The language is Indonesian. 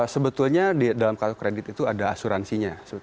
sebetulnya di dalam kartu kredit itu ada asuransinya